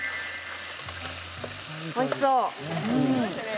おいしそう。